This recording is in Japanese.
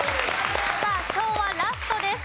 さあ昭和ラストです。